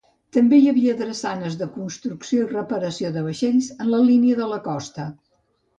També hi havia drassanes de construcció i reparació de vaixells en la línia de costa.